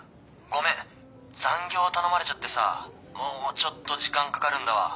ごめん残業頼まれちゃってさもうちょっと時間かかるんだわ。